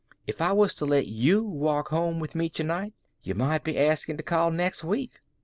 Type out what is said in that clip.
If I was to let you walk home with me to night, yuh might be askin' to call next week.